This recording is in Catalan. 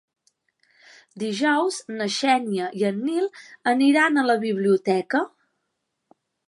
Dijous na Xènia i en Nil aniran a la biblioteca.